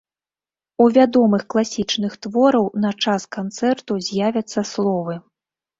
У вядомых класічных твораў на час канцэрту з'явяцца словы.